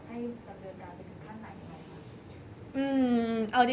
อยากให้สำเร็จการเป็นขั้นไหน